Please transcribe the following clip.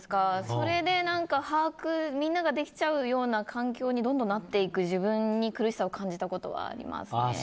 それで、みんなが把握できちゃうような環境にどんどんなっていく自分に苦しさを感じたことはありますね。